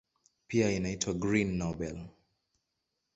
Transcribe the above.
Pia inaitwa "Green Nobel".